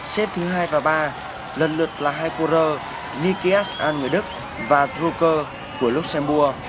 xếp thứ hai và ba lần lượt là hai quốc rơ nikias an người đức và drucker